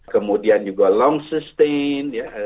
kemudian juga long sustain